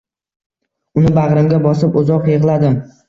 Uni bag`rimga bosib uzoq yig`ladim